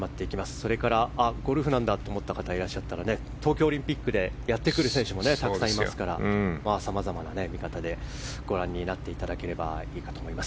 それからゴルフなんだと思った方もいらっしゃったら東京オリンピックでやってくる選手もたくさんいますからさまざまな見方でご覧になっていただければいいかと思います。